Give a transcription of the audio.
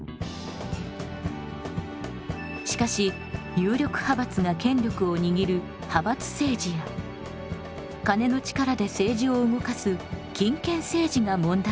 しかし有力派閥が権力を握る派閥政治や金の力で政治を動かす金権政治が問題になります。